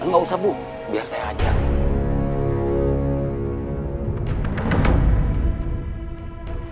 nggak usah bu biar saya ajak